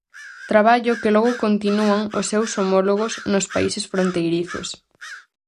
Traballo que logo continúan os seus homólogos nos países fronteirizos.